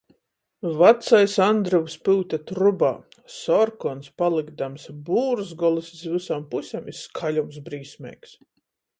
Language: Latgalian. Vacais Andryvs pyute trubā, sorkons palykdams, būrzgolys iz vysom pusem i skaļums brīsmeigs.